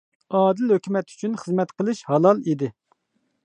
ئادىل ھۆكۈمەت ئۈچۈن خىزمەت قىلىش ھالال ئىدى.